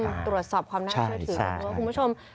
ตรวจสอบความน่าเชื่อถือคุณผู้ชม